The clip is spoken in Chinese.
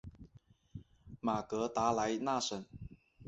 马格达莱纳省。